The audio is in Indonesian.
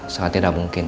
sangat tidak mungkin